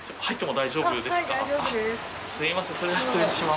はい。